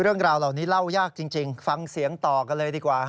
เรื่องราวเหล้าที่สุดแล้วล่าวเชียงต่อกันค่ะ